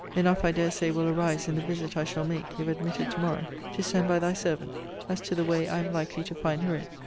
Enough, I dare say, will arise in the visit I shall make, if admitted to morrow, to send by thy servant, as to the way I am likely to find her in.